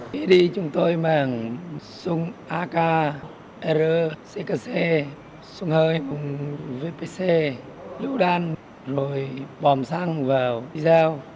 khi đi chúng tôi mang súng ak r ckc súng hơi vpc lưu đan rồi bòm xăng vào đi giao